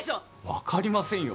分かりませんよ。